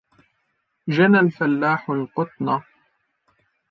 جَنَى الْفَلَّاحُ الْقُطْنَ.